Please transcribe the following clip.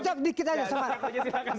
pak willy saya sedang leader